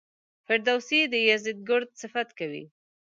فردوسي د یزدګُرد صفت کوي.